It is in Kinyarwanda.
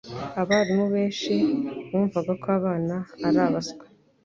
abarimu benshi bumvaga ko abana arabaswa